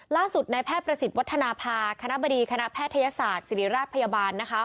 ล่าสุดในแพทย์ประสิทธิ์วัฒนภาคณะบดีคณะแพทยศาสตร์ศิริราชพยาบาลนะคะ